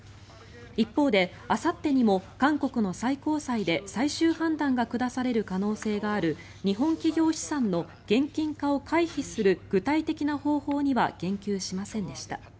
一方であさってにも韓国の最高裁で最終判断が下される可能性がある日本企業資産の現金化を回避する具体的な方法には言及しませんでした。